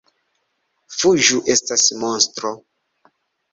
“Fuĝu, estas monstro!”